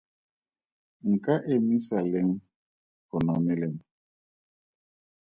Nka emisa leng go nwa melemo?